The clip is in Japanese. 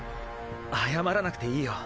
謝らなくていいよ。